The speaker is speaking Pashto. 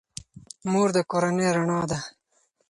مور د کورنۍ رڼا ده.